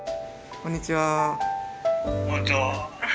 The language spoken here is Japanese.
こんにちは。